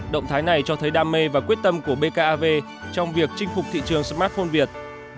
động thái này cho thấy đam mê và quyết tâm của bkav trong việc chinh phục thị trường smartphone viet